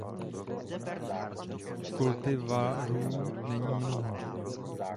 Kultivarů není mnoho.